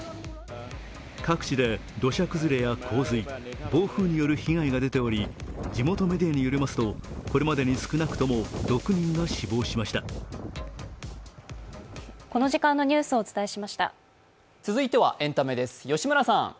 各地で土砂崩れや洪水、暴風による被害が出ており、地元メディアによりますと、これまでに少なくとも６人が死亡しました続いてはエンタメです。